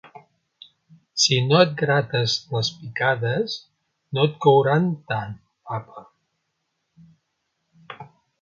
Si no et grates les picades no et couran tant, papa.